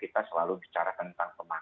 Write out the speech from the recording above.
kita selalu berbicara tentang proteksi dari luar